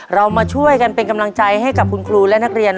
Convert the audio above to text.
เรามาช่วยกันเป็นกำลังใจให้กับคุณครูและนักเรียน